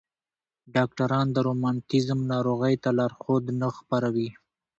ډاکټران د روماتیزم ناروغۍ ته لارښود نه خپروي.